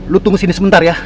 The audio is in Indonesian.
lu tunggu sini sebentar ya